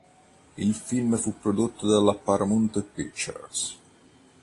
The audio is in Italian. Il film fu prodotto dalla Paramount Pictures.